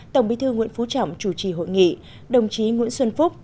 tổng bí thư nguyễn phú trọng chủ trì hội nghị đồng chí nguyễn xuân phúc